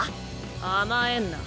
甘えんな。